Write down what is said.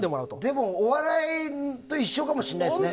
でもお笑いと一緒かも知れないですね。